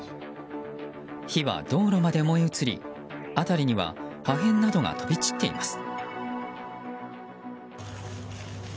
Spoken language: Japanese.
火は道路まで燃え移り辺りには破片などが飛び散っています。